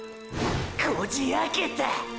こじ開けたァ！！